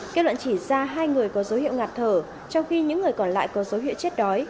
kết luận chỉ ra hai người có dấu hiệu ngạt thở trong khi những người còn lại có dấu hiệu chết đói